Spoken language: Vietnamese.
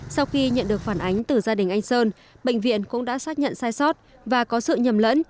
sau khi nhận được phản ánh từ gia đình anh sơn bệnh viện cũng đã xác nhận sai sót và có sự nhầm lẫn